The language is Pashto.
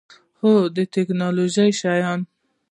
هو، د تکنالوژۍ شیان